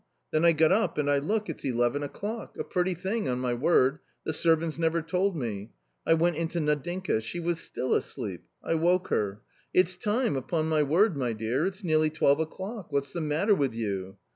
Then I got up, and I look ; it's eleven o'clock — a pretty thing, on my word — the servants never told me. I went into Nadinka. She was still asleep. I woke her. " It's time, upon my word, my dear ; it's nearly twelve o'clock, what's the matter with you